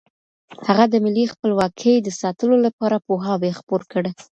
هغه د ملي خپلواکۍ د ساتلو لپاره پوهاوی خپور کړ.